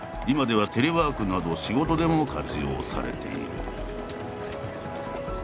今ではテレワークなど仕事でも活用されている。